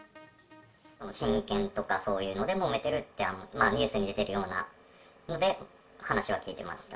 親権とか、そういうのでもめてるって、ニュースに出てるようなので、話は聞いてました。